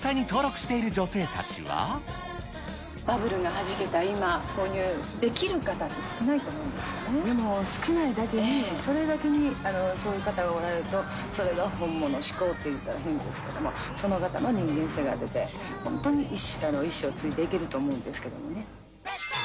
バブルがはじけた今、購入ででも少ないだけに、それだけに、そういう方がおられると、それが本物志向って言ったら変ですけど、その方の人間性が出て、本当に意志を継いでいけると思うんですけれどもね。